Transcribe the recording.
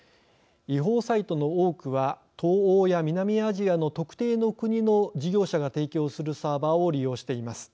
違法サイトの多くは東欧や南アジアの特定の国の事業者が提供するサーバーを利用しています。